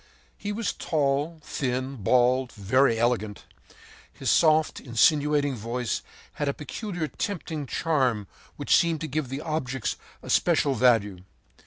He was tall, thin, bald, and very elegant. His soft, insinuating voice had a peculiar, tempting charm which seemed to give the objects a special value.